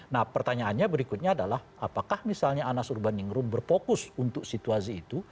nah pertanyaannya berikutnya adalah apakah misalnya anas urbaningrum berfokus untuk situasi itu